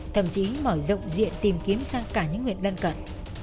thậm chí mở rộng diện tìm kiếm sang cả những huyện lân cận